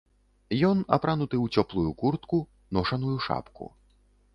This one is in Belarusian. Ён апрануты ў цёплую куртку, ношаную шапку.